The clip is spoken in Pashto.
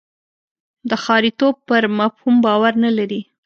د ښاریتوب پر مفهوم باور نه لري.